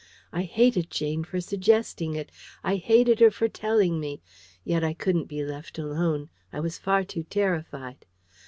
I hated Jane for suggesting it; I hated her for telling me. Yet I couldn't be left alone. I was far too terrified.